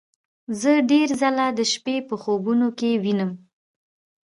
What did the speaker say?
زه ډیر ځله د شپې په خوبونو کې وینم